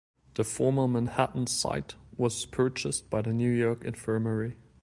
The former Manhattan site was purchased by the New York Infirmary.